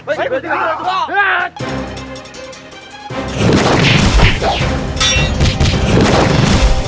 kanda pasti sudah tidak mencintai aku lagi